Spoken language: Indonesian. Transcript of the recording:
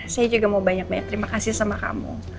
saya juga mau banyak banyak terima kasih sama kamu